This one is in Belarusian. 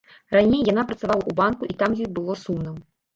Раней яна працавала ў банку і там ёй было сумна.